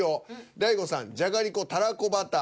大悟さん「じゃがりこたらこバター」。